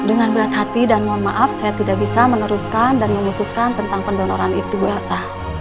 dengan berat hati dan mohon maaf saya tidak bisa meneruskan dan memutuskan tentang pendonoran itu bu elsa